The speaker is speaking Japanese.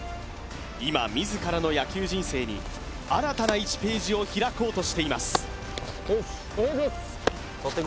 今自らの野球人生に新たな１ページを開こうとしています